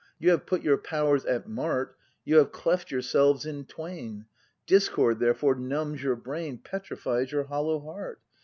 You have put your powers at mart. You have cleft yourselves in twain; Discord therefore numbs your brain. Petrifies your hollow heart.